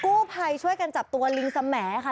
กู้ภัยช่วยกันจับตัวลิงสแหมดค่ะ